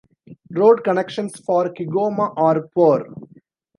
Road connections for Kigoma are poor.